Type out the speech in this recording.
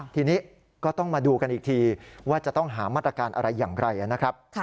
ทีนี้ก็ต้องมาดูกันอีกทีว่าจะต้องหามาตรการอะไรอย่างไรนะครับ